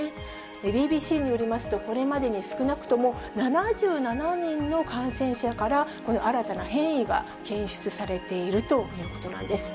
ＢＢＣによりますと、これまでに少なくとも７７人の感染者から、この新たな変異が検出されているということなんです。